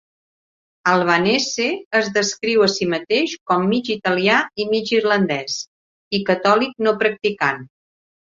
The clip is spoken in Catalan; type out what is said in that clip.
Albanese es descriu a si mateix com "mig italià i mig irlandès" i "catòlic no practicant".